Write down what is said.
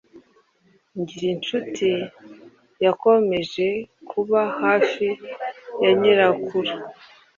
Ngirincutui yakomeje kuba hafi ya nyirakuru